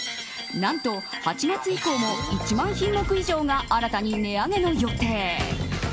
何と８月以降も１万品目以上が新たに値上げの予定。